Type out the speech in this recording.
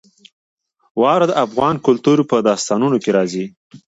واوره د افغان کلتور په داستانونو کې راځي.